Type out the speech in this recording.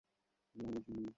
এটা তার CV, sir.